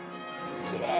きれい！